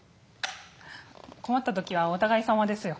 困ったときはお互い様ですよ。